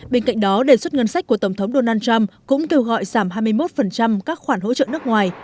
bên cạnh đó đề xuất ngân sách của tổng thống donald trump cũng kêu gọi giảm hai mươi một các khoản hỗ trợ nước ngoài